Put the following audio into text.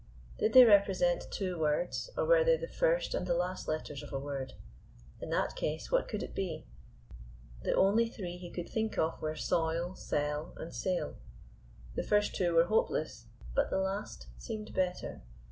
Did they represent two words, or were they the first and the last letters of a word? In that case, what could it be. The only three he could think of were soil, sell and sail. The two first were hopeless, but the last seemed better.